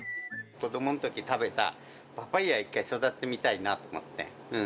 子どものとき食べたパパイヤ、一回育ててみたいなと思って。